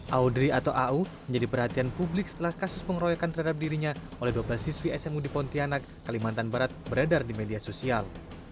audrey atau au menjadi perhatian publik setelah kasus pengeroyokan terhadap dirinya oleh dua belas siswi smu di pontianak kalimantan barat beredar di media sosial